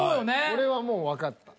これはもうわかった。